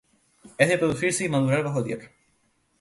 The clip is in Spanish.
Es de producirse y madurar bajo tierra.